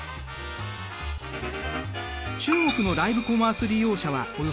中国のライブコマース利用者はおよそ４億人。